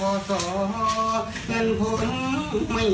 เหมือนบ่นต้นตรงจะทำฉะนาย